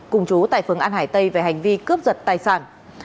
cùng chú tại phường an hải tây về hành vi cướp giật tài sản